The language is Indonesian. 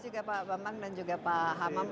dan juga pak bambang dan juga pak hamam